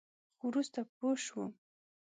خو وروسته پوه شوم.